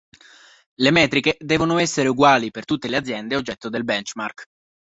Le metriche devono essere uguali per tutte le aziende oggetto del "benchmark".